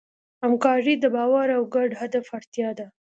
همکاري د باور او ګډ هدف اړتیا ده.